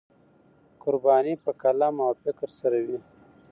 قرباني په قلم او فکر سره وي.